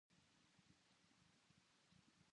その日までさよなら